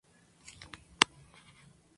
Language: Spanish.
Hilda usa la Fuerza del Relámpago.